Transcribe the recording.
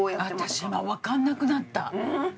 私今わかんなくなった。